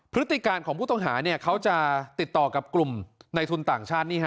พฤติการของผู้ต้องหาเขาจะติดต่อกับกลุ่มในทุนต่างชาติ